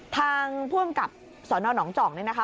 ทางพ่วงกับสนหนองจอกนี่นะคะ